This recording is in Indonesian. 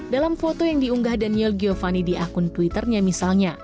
dalam foto yang diunggah daniel giovanni di akun twitternya misalnya